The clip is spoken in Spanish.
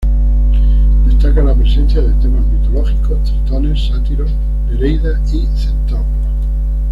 Destaca la presencia de temas mitológicos: tritones, sátiros, nereidas y centauros.